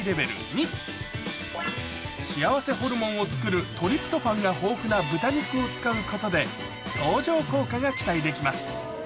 ２幸せホルモンをつくるトリプトファンが豊富な豚肉を使うことで相乗効果が期待できます